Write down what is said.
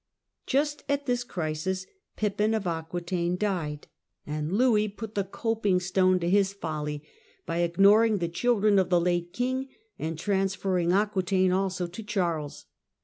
Just at thisi crisis Pippin of Aquetaine died, and Louis THE REIGN OF LOUIS THE PIOUS 211 put the copiDg stone to his folly by ignoring the children of the late king and transferring Aquetaine also to Charles.